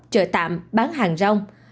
chợ tạm bán hàng rong